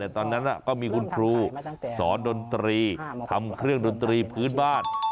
ตอนนั้นก็มีคุณครูสอนดนตรีทำเครื่องดนตรีพื้นบ้าน